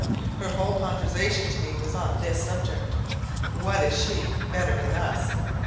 Her whole conversation to me was on this subject. 'What is she better than us?'